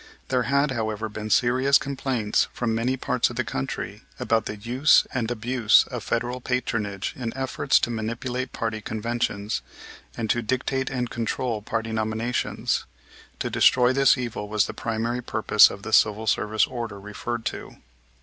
There had, however, been serious complaints from many parts of the country about the use and abuse of Federal patronage in efforts to manipulate party conventions, and to dictate and control party nominations. To destroy this evil was the primary purpose of the civil service order referred to.